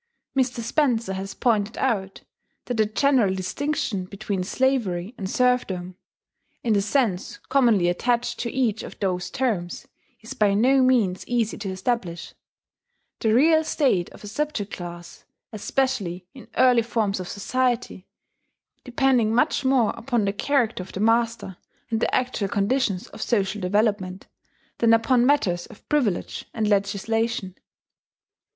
Mr. Spencer has pointed out that a general distinction between slavery and serfdom, in the sense commonly attached to each of those terms, is by no means easy to establish; the real state of a subject class, especially in early forms of society, depending much more upon the character of the master, and the actual conditions of social development, than upon matters of privilege and legislation.